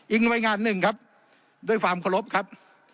หน่วยงานหนึ่งครับด้วยความเคารพครับ